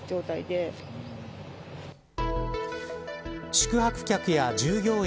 宿泊客や従業員